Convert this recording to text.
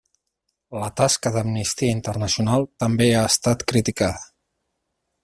La tasca d'Amnistia Internacional també ha estat criticada.